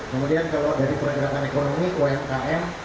kemudian kalau dari pergerakan ekonomi umkm